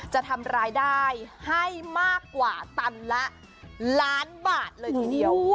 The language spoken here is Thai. จะทำรายได้ให้มากกว่าตันละล้านบาทเลยทีเดียว